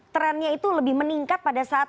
trendnya itu lebih meningkat pada saat